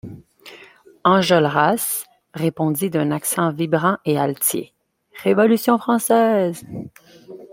Enjolras répondit d’un accent vibrant et altier: — Révolution française.